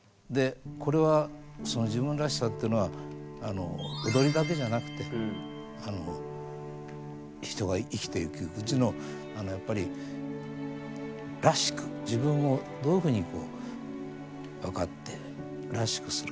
これは自分らしさってのは踊りだけじゃなくて人が生きていくうちのやっぱり「らしく」自分をどういうふうに分かって「らしく」する。